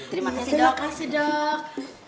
terima kasih dok